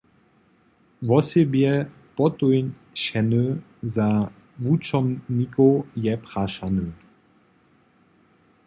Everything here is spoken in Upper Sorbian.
Wosebje potuńšeny za wučomnikow je prašany.